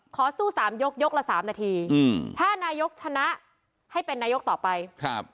ขอสู้สามยกยกละสามนาทีอืมถ้านายกชนะให้เป็นนายกต่อไปครับ